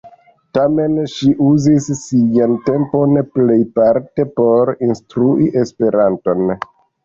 Tamen, ŝi uzis sian tempon plejparte por instrui Esperanton.